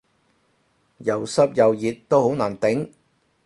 又濕又熱都好難頂